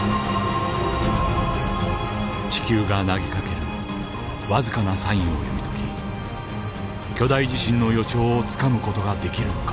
地球が投げかける僅かなサインを読み解き巨大地震の予兆をつかむ事ができるのか。